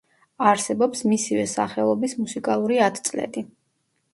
არსებობს მისივე სახელობის მუსიკალური ათწლედი.